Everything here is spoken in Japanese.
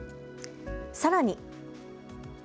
さらに。